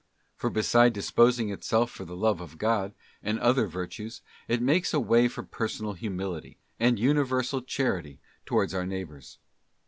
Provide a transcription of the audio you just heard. For beside disposing itself for the love of God, and the other virtues, it makes a way for per sonal humility and universal charity towards our neighbours.